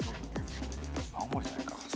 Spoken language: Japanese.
青森じゃないか？